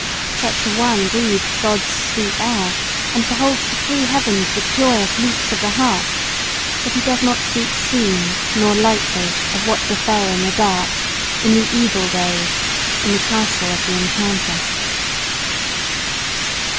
Such an one breathes God's sweet air and beholds the free heavens with joyous leaps of heart; but he does not speak soon nor lightly of what befell in the dark, in the evil days, in the Castle of the Enchanter.